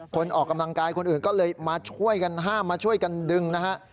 ออกกำลังกายคนอื่นก็เลยมาช่วยกันห้ามมาช่วยกันดึงนะฮะ